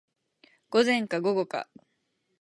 午前か午後か